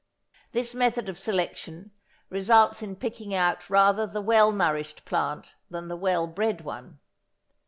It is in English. This method of selection results in picking out rather the well nourished plant than the well bred one.